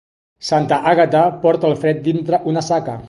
Santa Àgata porta el fred dintre una saca.